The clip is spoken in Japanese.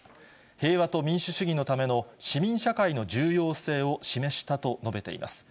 平和と民主主義のための市民社会の重要性を示したと述べています。